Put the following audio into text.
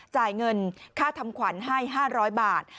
จ่ายเงินค่าทำขวัญให้๕๐๐บาท